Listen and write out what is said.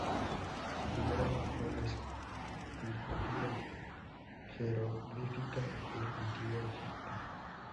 Su primer amor fue la escritura jeroglífica del Antiguo Egipto.